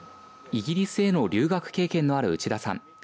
イギリスへの留学経験のある内田さん。